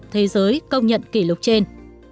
thế giới công nhận kỷ lục trên